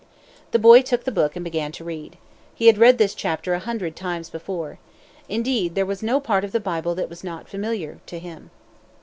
The boy took the book and began to read. He had read this chapter a hundred times before. Indeed, there was no part of the Bible that was not familiar to him.